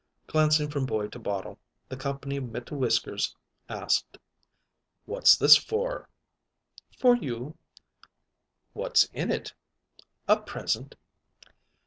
Glancing from boy to bottle, the "comp'ny mit whiskers" asked: "What's this for?" "For you." "What's in it?" "A present."